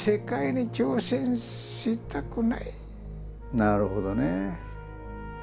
なるほどね。